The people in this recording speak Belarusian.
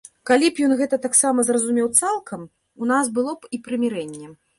Калі б ён гэта таксама зразумеў цалкам, у нас было б і прымірэнне.